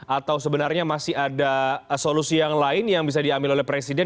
atau sebenarnya masih ada solusi yang lain yang bisa diambil oleh presiden